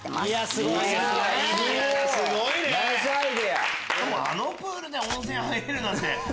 すごいね！